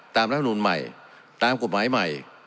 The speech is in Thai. ตามรัฐบาลนูลใหม่ตามกฎหมายใหม่